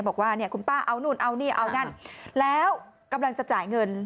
บอกว่าเนี่ยคุณป้าเอานู่นเอานี่เอานั่นแล้วกำลังจะจ่ายเงิน